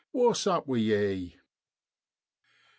Wha's up wi' ye ?